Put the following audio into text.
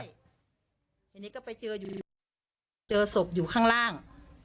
เดี๋ยวนี้ก็ไปเจอสบอยู่ข้างล่าง